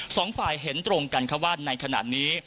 สองฝ่ายเห็นตรงกันค่ะว่าในขณะนี้